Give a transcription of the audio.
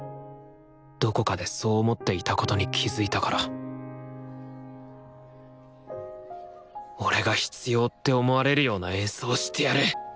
どこかでそう思っていたことに気付いたから俺が必要って思われるような演奏をしてやる！